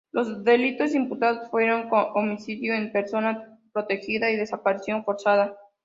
Los delitos imputados fueron homicidio en persona protegida y desaparición forzada.